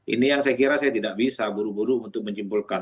ini yang saya kira saya tidak bisa buru buru untuk menyimpulkan